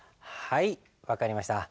はい分かりました。